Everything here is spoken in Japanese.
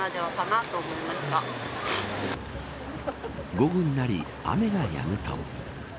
午後になり、雨がやむと。